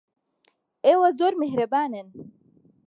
ئێوە زۆر میهرەبانن.